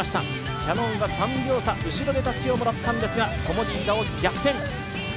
キヤノンが３秒差、後ろでたすきをもらったんですがコモディイイダを逆転。